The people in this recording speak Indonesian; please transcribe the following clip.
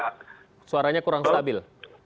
halo pak arman suaranya kurang stabil